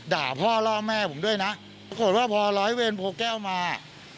ด่าพ่อล่อแม่ผมด้วยนะปรากฏว่าพอร้อยเวรโพแก้วมา